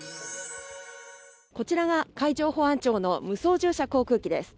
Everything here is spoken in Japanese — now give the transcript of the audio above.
こちらが海上保安庁の無操縦者航空機です。